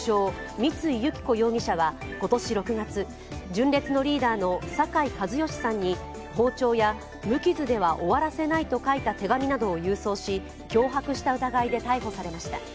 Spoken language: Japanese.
三井由起子容疑者は今年６月、純烈のリーダーの酒井一圭さんに包丁や無傷では終わらせないと書いた手紙などを郵送し、脅迫した疑いで逮捕されました。